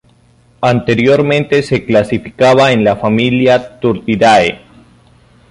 Anteriormente se clasificaba en la familia Turdidae.